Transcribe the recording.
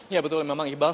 ya betul memang iqbal